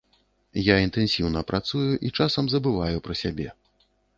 Я інтэнсіўна працую і часам забываю пра сябе.